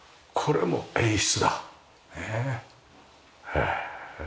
へえ。